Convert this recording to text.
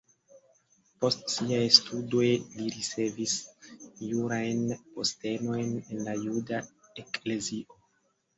Post siaj studoj li ricevis jurajn postenojn en la juda eklezio.